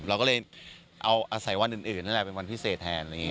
เราก็เลยเอาอาศัยวันอื่นนั่นแหละเป็นวันพิเศษแทน